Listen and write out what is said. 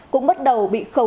cũng bắt đầu bị khấu trừ